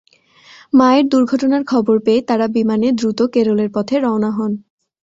মায়ের দুর্ঘটনার খবর পেয়ে তারা বিমানে দ্রুত কেরলের পথে রওনা হন।